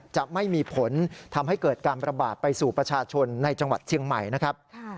จะไม่มีผลทำให้เกิดการประบาดไปสู่ประชาชนในจังหวัดเชียงใหม่นะครับ